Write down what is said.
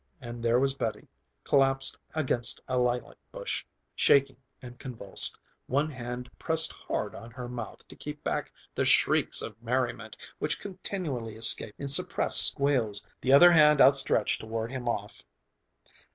and there was Betty, collapsed against a lilac bush, shaking and convulsed, one hand pressed hard on her mouth to keep back the shrieks of merriment which continually escaped in suppressed squeals, the other hand outstretched to ward him off....